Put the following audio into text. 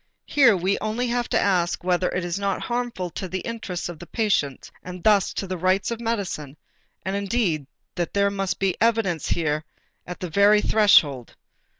Here we only have to ask whether it is not harmful to the interests of the patient and thus to the rights of medicine, and indeed that must be evident here at the very threshold.